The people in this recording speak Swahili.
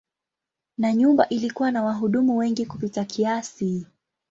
Na nyumba ilikuwa na wahudumu wengi kupita kiasi.